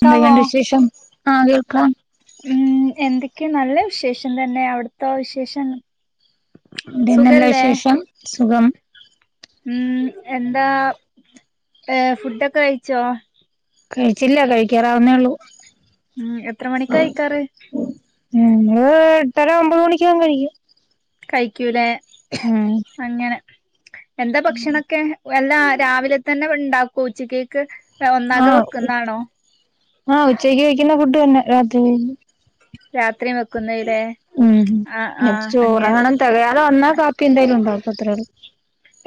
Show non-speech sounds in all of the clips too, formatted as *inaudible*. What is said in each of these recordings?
ക്കാവോ എന്തൊക്കെണ്ട് വിശേഷം ആ കേൾക്കാം ക്കെ നല്ല വിശേഷം തന്നെ അവിടത്തോ വിശേഷം *unintelligible* നല്ല സുഖല്ലേ വിശേഷം സുഖം ഉം എന്താ ഏ ഫുഡൊക്കെ കഴിച്ചോ കഴിച്ചില്ല കഴിക്കാറാവുന്നേ ഉള്ളൂ ഉം എത്ര മണിക്ക കഴിക്കാറ് ഞങ്ങള് എട്ടര ഒമ്പത് മണിക്കാവും കഴിക്കും കഴിക്കു ലേ ഉം അങ്ങനെ എന്താ ഭക്ഷണം ക്കെ എല്ലാ രാവിലെ തന്നെ ഉണ്ടാക്കും ഉച്ച കേക്ക് ഒന്നാകെ ആഹ് വെക്കുന്നാണോ? ആഹ് ഉച്ച ക്കുള്ള ഫുഡ് തന്നെ രാത്രിയിലും. രാത്രിയുമൊ ഉം അങ്ങനെ ചോറങ്ങണം തികയാതെ വന്നാ കാപ്പി എന്തായാലും ഉണ്ടാവും അത്രേ ഒള്ളു.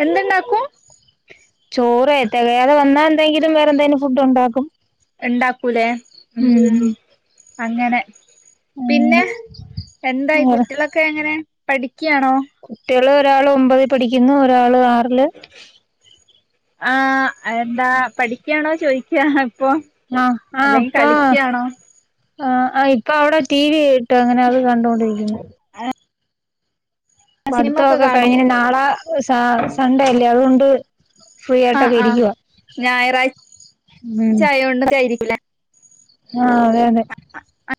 എന്തുണ്ടാക്കും ചോറ് തികയാതെ വന്നാ എന്തെങ്കിലും വേറെ എന്തേലും ഫുഡ് ഉണ്ടാക്കും. ഉണ്ടാക്കൂലേ ഉം ഉം അങ്ങനെ അങ്ങനെ പിന്നെ എന്തായി വേറെ കുട്ടികളൊക്കെ എങ്ങനെ? പഠി കുട്ടികള് ഒരാൾ ഒമ്പതി പഠിക്കുന്നു ഒരാൾ ആ റില് ആഹ് എന്താ പഠിക്കയാണോ ചോദിക്കാ. ആഹ് ആഹ് ഇപ്പോ ആ ആ ഇപ്പോ അവിടെ ടി വിയി ട്ട് അങ്ങനെ അത് കണ്ടോണ്ടിരിക്കുന്നു. സിനിമ ഒക്കെ പടുത്തൊക്കെ കാണോ കഴിഞ്ന് നാളെ സാ സൺഡേ അല്ലേ അതുകൊണ്ട് ഫ്രീ ആഹ ആയിട്ടൊക്കെ ആ ഇരിക്കുവാ ഞായറാഴ് ഉം ച ആയോണ്ടായിരിക്കുലെ ആഹ് അതെ അതെ *unintelligible*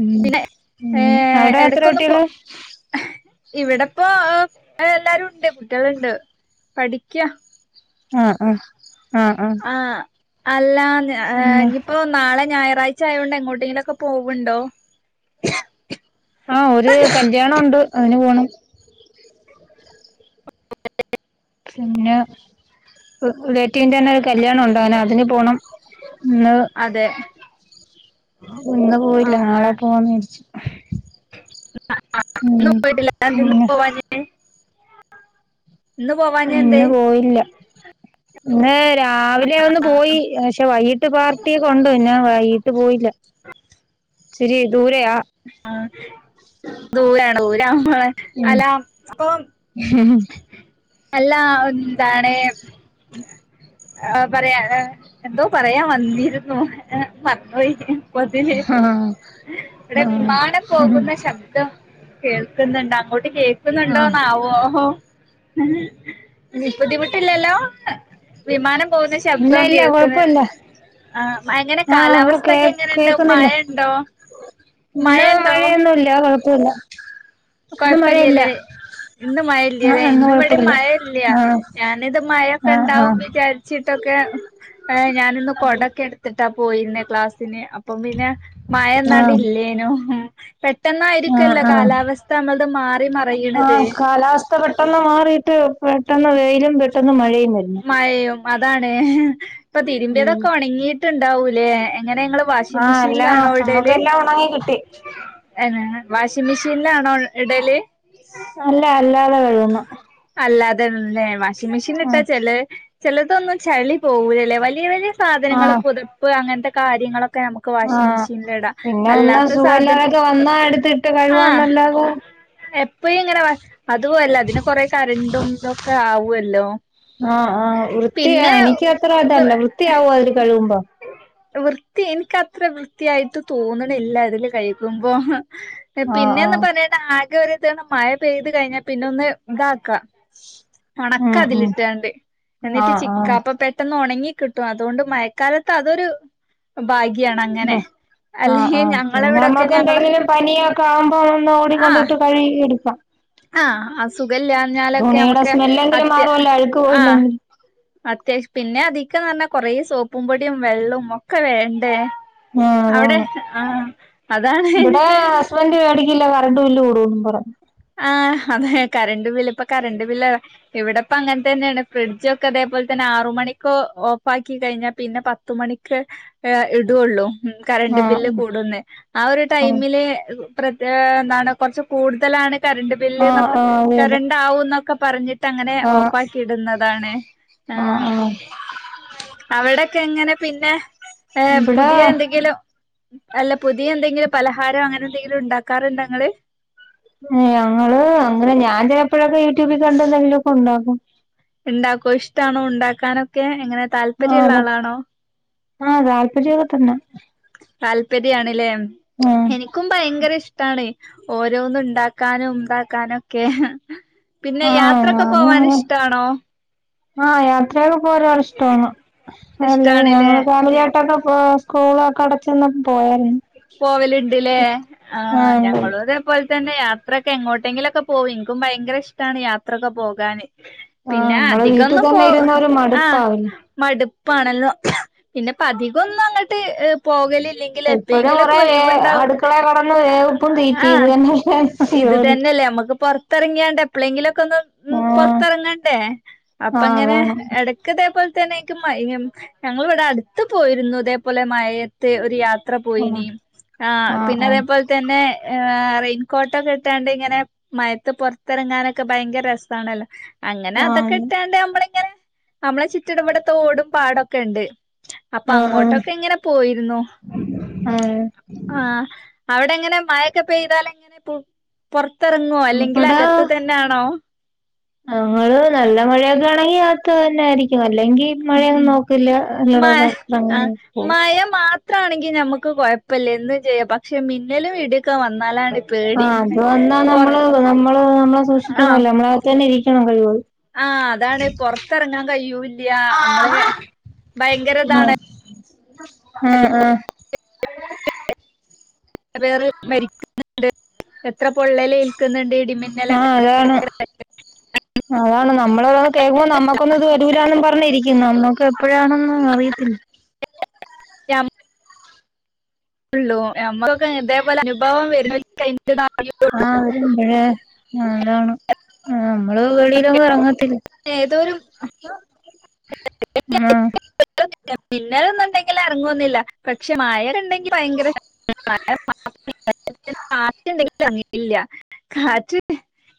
ഉം ഉം ഏഹ് അവിടെ എത്ര കുട്ടികള് ഇവിടെപ്പൊ എല്ലാരും ഉണ്ട് കുട്ടികള്ണ്ട് പഠിക്ക ആഹ ആഹ ആ ആ *unintelligible* നിപ്പോ നാളെ ഞായ ഞായറാഴ്ച ആയോണ്ട് എങ്ങോട്ടെങ്കിലൊക്കെ പോവ്ണ്ടോ ആ ഒരു കല്യാണുണ്ട് അതിന് പോണം *unintelligible* പിന്ന റിലേറ്റിന്റെന്നെ ഒരു കല്യാണം ഉണ്ട് അതിന് പോണം ഇന്ന് അതെ ഇന്ന് പോയില്ല നാളെ പോവാന്ന് വിചാരിച്ച് ന്ന് ഉം പോയിട്ടില്ല അതെന്തേ ന്ന് പിന്നെ പോവാഞ്ഞേ ഇന്ന് പോവാഞ്ഞേ എന്തേ ഇന്ന് പോയില്ല ഇന്ന് രാവിലെ ഒന്ന് പോയി പക്ഷെ വൈകിട്ട് പാർട്ടിയൊക്കെയുണ്ട് പിന്നെ വൈകീട്ട് പോയില്ല ഇച്ചിരി ദൂരെയാ ആ ദൂരാണ് ദൂരാവുമ്പോള് അല്ല അപ്പൊ അല്ല എന്താണ് പറയാ എന്തോ പറയാ വന്നിരുന്നു പിന്നെ മറന്നു പോയി *unintelligible* ആഹ് എവിടെ വിമാനം ആഹ് പോകുന്ന ശബ്ദം കേൾക്കുന്നുണ്ട് അങ്ങോട്ട് ആഹ് കേക്കുന്നുണ്ടോന്നാവോ ഹ് ഹ് ബുദ്ധിമുട്ടില്ലല്ലോ വിമാനം പോകുന്ന ഇല്ല ശബ്ദം ഇല്ല കേൾക്ക്ണത് കൊഴപ്പല്ല ആഹ എങ്ങനെ ആഹ് ഇവിടെ കാലാവസ്ഥ കേ ഒക്കെ എങ്ങനെണ്ട് കേക്കുന്നില്ല മഴ ഉണ്ടോ ഇന്ന് മഴയൊന്നുല്ല കുഴപ്പോല്ല്യ കൊഴപ്പൊയില്ലെല്ലേ ഇന്ന് ആഹ് മഴയില്ലെല്ലേ ഇന്ന് ഇന്നുംകൂടി കൊഴപ്പല്ല മഴയില്ല്യ ആഹ് ഞാനിത് ആഹ് മഴെക്കെയുണ്ടാവും ആഹ് വിചാരിച്ചിട്ട് ഒക്കെ എ ഞാനിന്ന് കൊടക്കെയെടുത്തിട്ടാ പോയിരുന്നേ ക്ലാസ്സിന് അപ്പം പിന്ന മഴെയെന്നണ്ട് ആഹ് ഇല്ലെനു പെട്ട് പെട്ടനായിരിക്കുല്ലാ കാലാവസ്ഥ മാറി ആ മറിയ്ണത് കാലാവസ്ഥ പെട്ടന്ന് മാറിയിട്ട് പെട്ടന്ന് വെയിലും വെ പെട്ടന്ന് മഴയും വരുന്ന് അതാണേ എ ഇപ്പം തിരുമ്പിയതൊക്കെ ഉണങ്ങി ട്ട് ഉണ്ടാവുലേ എ ആ എല്ലാ ന നമ്മക്ക് എല്ലാം ഉണങ്ങി കിട്ടി തന്നെ വാഷിംഗ് മെഷീനിലാണോ ഇടല്? അല്ല അല്ലാതെ കഴുകുന്നു. അല്ലാതെ ന്നെ വാഷിംഗ് മിഷീ ആഹ് തേച്ചല്ലേ? ചിലതൊന്നും ചളി പോകൂലലേ വലിയ വലിയ സാധനങ്ങള് ആഹ് പുതപ്പ് അങ്ങനത്തെ കാര്യങ്ങളൊ ക്കെ നമുക്ക് വാഷിംഗ് ആഹ് മിഷനിലിടാം പിന്നെ ഒന്ന് അല്ലാത്ത സാധനം സുഖമില്ലാതൊക്കെ വന്നാ എടുത്തിട്ട് ആ കഴുവാന്നല്ലാതെ എപ്പഴു ഇങ്ങനെ അതുവല്ല അതിന് കൊറെ കറന്റുംതൊക്കെ ആവുവല്ലേ? ആ ആ വൃത്തിയാ എനിക്ക് അത്ര വൃ അതല്ല വൃത്തിയാവുവോഅതില് കഴുകുമ്പോ? വൃത്തി എനിക്കത്ര വൃത്തിയായിട്ട് തോണന്നില്ല അതില് കയിക്കുമ്പോ. ആഹ് പിന്നെയന്ന് ആഹ് പറയണ്ട ആകെ ഒരു ത് മഴ പെയ്ത് കഴിഞ്ഞാൽ പിന്നെ ഒന്ന് ഇതാക്കാം. ഉം ഉം ഉണക്കാതിലി ട്ട് എന്നിട്ട് ആഹ് ചിക്കാപ്പ പെട്ടെന്ന് ഉണങ്ങി കിട്ടും. അതുകൊണ്ട് മഴക്കാലത്ത് അതൊരു ഉപാ ആ ആ ഞങ്ങളവിടൊക്കെ ഞങ്ങളെ നമ്മക്ക്ന്തെങ്കിലും പനിയൊക്കെ ആകുമ്പോ ഒന്ന് ഓടിക്കൊണ്ടിട്ട് കഴുകി എടുക്കാം. ആ അസുഖില്ലഞ്ഞാലൊക്കെ തുണിയുടെ നമക്ക് സ്മെല്ലെങ്കിലും അത്യാ മാറുമല്ലോ അഴുക്ക് ആ പോയില്ലെങ്കിൽ അത്യാവശ്യം പിന്നെ അധിക്കന്ന് പറഞ്ഞാ കൊറേ സോപ്പും പൊടിയും വെള്ളവും ഒക്കെ വേണ്ടേ? ആഹ് അവിടെ അതാണ് ആ ഇവിടെ ഹസ്ബൻഡ് വേടിക്കില്ല. ക റണ്ട് ബില്ല് കൂടുവെന്നു പറഞ്ഞ് ആ അതെ കറണ്ട് ബില്ല് ഇപ്പ കറണ്ട് ബില്ല് ഇവിടെപ്പ അങ്ങനെ തന്നെയാണ് ഫ്രിഡ്ജൊക്കെ അതേപോലെ തന്നെ ആറു മണിക്കോ ഓഫ് ആക്കി കഴിഞ്ഞാ പിന്നെ പത്ത്മണിക്ക് ഇടുള്ളു. ഉം കറണ്ട് ആഹ് ബില്ല് കൂടുന്നേ. ആ ഒരു ആഹ് ടൈമില് *unintelligible* എന്താണ് കുറച്ച് കൂടുതലാണ്. കറണ്ട് ആഹ് ബില്ല്ന്നൊക്കെ ആഹ് അതെ അതെ കറണ്ട് ആവൂ ന്നൊക്കെ പറഞ്ഞ് ട്ട അങ്ങനെ ആഹ് ഓഫാക്കി ഇടുന്നതാണ്. ആ ആഹ് ആഹ് അവിടെ ക്കേ. എങ്ങനെ പിന്നെ? ഏഹ് ഇവിടെ പുതിയ എന്തെങ്കിലും അല്ല പുതിയ എന്തെങ്കിലും പലഹാരം അങ്ങനെ എന്തെങ്കിലും ഉണ്ടാക്കാറുണ്ടേ ഇങ്ങള്? ഞങ്ങള് അങ്ങനെ ഞാന്- ഇപ്പോഴൊക്കെ യൂട്യൂബിൽ കണ്ട് എന്തെങ്കിലുംഒക്കെ ഉണ്ടാകും. ഉണ്ടാക്കോ ഇഷ്ടാണോ ഉണ്ടാക്കാനൊക്കെ എങ്ങനെ താല്പര്യമ ഉള്ള ആളാണോ ആഹ അതാല്പര്യൊക്കെ തന്നെ താൽ പ്പര്യയാണല്ലേ ഉം എനിക്കും ഭയങ്കര ഇഷ് ട്ടാണ് ഓരോന്നും ഉണ്ടാക്കാനും ഉണ്ടാക്കാന ഒക്കെ പിന്നെ ആഹ് യാത്രൊക്കെ പോവാൻ ഇഷ്ടാണോ ആഹ യാത്രയൊക്കെ പോരാർ ഇഷ്ടമാണ് അല്ലത് ഞങ്ങള് ഇഷ്ടാണ്ല്ലേ ഫാമിലിയാട്ടൊക്കെ പോ സ്കൂളൊക്കെ അടച്ചന്ന പോയാ പോവലിഡിലേ ആ ഉണ്ട് ഞങ്ങളും അതേപോലെ തന്നെ പിെ യാത്രൊക്കെ എങ്ങോട്ടെങ്കിലൊക്കെ പോകും എനിക്കും ഭയങ്കര ഇഷ്ടണ് യാത്രയൊക്കെ പോകാാന് ആ നമ്മളെ വീട്ടിൽ തന്നെ ഇരുന്നൊര് മടുപ്പാവില്ലേ പ്പണല്ലോ പിന്നെപ്പ അധികൊന്നും അങ്ങോട്ട് പോകലി ഇല്ലെങ്കിൽ എപ്പോഴും കുറെേ വേ അടുക്കളെ കടന്ന് വേവപ്പും തീറ്റി ആഹ് ഇതന്നെല്ല ജോലി ങ്ങ എപ്പലെങ്കിലും ആഹ് പുറത്തിറങ്ങണ്ടേ അപ്പ ആഹ് ഇങ്ങനെ അതാണ് എടക്കതേപ്പോ തേനെക്കും *unintelligible* ഞങ്ങൾിവിടെ അടുത്ത് പോയിരുന്നു ഇതേപോലെ മഴയത് ഒരുയ ത്ര പോയിനി ആ ആഹ് ആഹ് പിന്നെതേപോൽ തന്നെ റെയിൻകോട്ടൊക്കെ ഇട്ടാണ്ട് ഇങ്ങനെ മയത്ത് പുൊറത്തിറങ്ങാനൊക്കെ ഭയങ്കര രസണല്ലോ അങ്ങനെ അതൊക്കെ ആഹ് ഇട്ടാണ്ട് നമ്മള ഇങ്ങനെ നമ്മളെ ചുറ്റിടവിടെ തോടും പാടൊക്കെ ഉണ്ട് അപ്പൊ ആഹ് അങ്ങോട്ടൊക്കെ ഇങ്ങനെ പോയിരുന്നു ആഹ് ആഹ് ആ അവിടെ എങ്ങനെ മഴക്കെ പെയ്താലെങ്ങനെ പോ ത്തെറങ്ങുവൊ അല്ലെങ്കി ഇവിടെ അകത്ത് തന്നണോ ഞങ്ങള് നല്ല മഴയൊക്കെ ആണെങ്കി അകത്ത്കേറും ആയിരിക്കും അത്‌ അല്ലെങ്കി മഴയൊന്നും നോക്കില്ല മ എല്ലോടും നനഞ്ഞ് പോകും മാത്ര ആണെങ്കിൽ നമ്മക്ക് കൊഴപ്പില്ല എന്തും ചെയ്യാം പക്ഷെ മിന്നലും ഇടിയൊക്കെ വന്നാലാണ്ട് ആ അത് വന്നാ നമ്മള് നമ്മള് നമ്മളെ സൂക്ഷിക്കണല്ലോ നമ്മളകത്ത് തന്നെ ഇരി- കയ്പോയ് *unintelligible* ആ അതാണ് പൊറത്തെറങ്ങാൻ കയൂല്ല നമ്മള് ആഹ് ഭയങ്കരതാണ് മ് മ് *inaudible* എത്ര പേര് മരിക്കുന്നുണ്ട് എത്ര പൊള്ളലേ- ആ അതാണ് അതാണ് നമ്മള് ഓരോന്ന് കേൾക്കുമ്പോ നമ്മക്കൊന്നും ഇത് വരൂലുന്ന് പറഞ്ഞിരി- ന്ന് നമ്മക്കെപ്പഴാണെന്ന് ഒന്നും അറിയത്തില്ല രാവി - ഉള്ളുവോ ഞമ്മകൊക്കെ ഇതേപോലെ അനുഭവം വര - ആഹ ഇവിട്ണ്ട് മഴകാണു- ആഹ് അമ്മള് വെളിയിലൊങ്ങും എറങ്ങ ഏതോരു ആഹ് *unintelligible* മിന്നലൊന്നും ഒണ്ടെങ്കില് എറങ്ങൊന്നു ഇല്ല പക്ഷെ മഴയെണ്ടെങ്കി ഭയങ്കര *unintelligible* കാറ്റെണ്ടങ്കില് *unintelligible* കാറ്റ്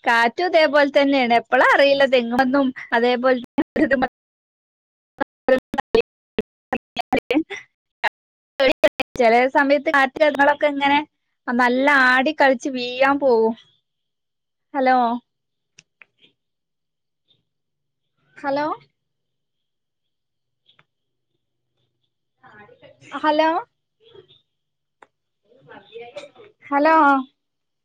കാറ്റും ഇതേപോലെതന്നെയാണ് എപ്പളാ അറിയില്ല തെങ്ങന്നും അതേപോലെ *unintelligible* *unintelligible* ചെലേ സമയത്ത് കാറ്റില് ഞങ്ങളൊക്കെ ഇങ്ങനെ നല്ല ആടികളിച്ച് വീഴാൻ പോകും ഹലോ ഹലോ ഹലോ ഹലോ